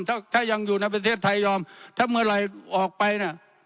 ถ้าถ้ายังอยู่ในประเทศไทยยอมถ้าเมื่อไหร่ออกไปน่ะ